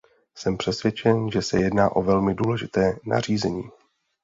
Jsem přesvědčen, že se jedná o velmi důležité nařízení.